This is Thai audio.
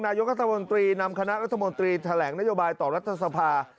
นายกรัฐมนตรีนำคณะรัฐมนตรีแถลงนโยบายต่อรัฐสภา